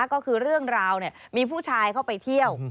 ก็คือเรื่องราวมีผู้ชายเข้าไปเที่ยว